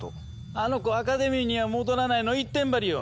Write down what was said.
あの子「アカデミーには戻らない」の一点張りよ！